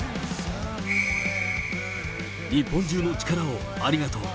日本中の力を、ありがとう。